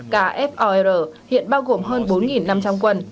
kfor hiện bao gồm hơn bốn năm trăm linh quân